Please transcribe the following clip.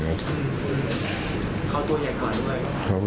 เขาตัวใหญ่กว่าด้วย